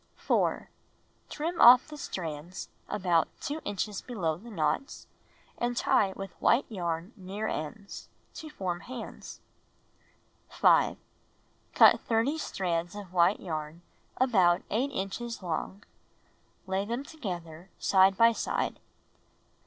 OU 4. Trim off the strands about 2 inches below the knots, and tie with white yarn near ends — to form hands. 5. Cut 30 strands of white yarn about 8 inches long. Lay them together, side by side.